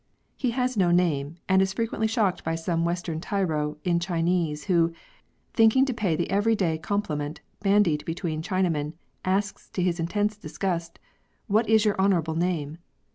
He has no name, and is frequently shocked by some western tyro in Chinese who, thinking to pay the everyday compli ment bandied between Chinamen, asks to his intense disgust —" What is your honourable name